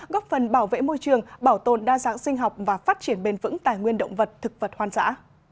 góp phần bảo vệ môi trường bảo tồn đa dạng sinh học và phát triển bền vững tài nguyên động vật thực vật hoang dã